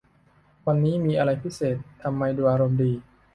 วันนี้มีอะไรพิเศษ ทำไมดูอารมณ์ดี